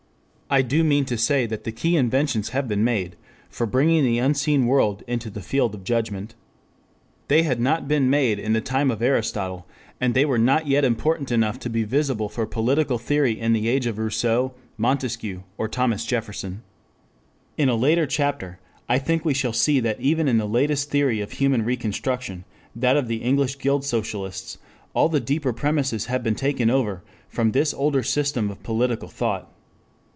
I do mean to say that the key inventions have been made for bringing the unseen world into the field of judgment. They had not been made in the time of Aristotle, and they were not yet important enough to be visible for political theory in the age of Rousseau, Montesquieu, or Thomas Jefferson. In a later chapter I think we shall see that even in the latest theory of human reconstruction, that of the English Guild Socialists, all the deeper premises have been taken over from this older system of political thought.